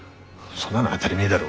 そんなの当だり前だろ。